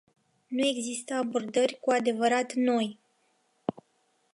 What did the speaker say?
Nu există abordări cu adevărat noi.